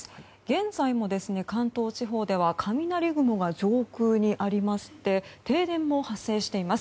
現在も関東地方では雷雲が上空にありまして停電も発生しています。